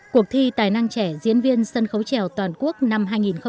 cuộc thi tài năng trẻ diễn viên sân khấu trèo toàn quốc năm hai nghìn hai mươi